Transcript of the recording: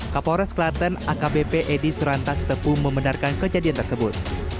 kapolres klaten akbp edi surantas tepung membenarkan kejadian tersebut